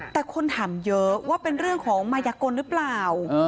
แต่คนถามเยอะว่าเป็นเรื่องของมายกลหรือเปล่า